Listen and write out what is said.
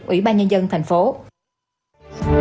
ủy ban nhân dân tp hcm